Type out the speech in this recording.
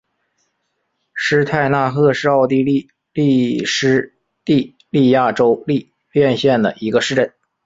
施泰纳赫是奥地利施蒂利亚州利岑县的一个市镇。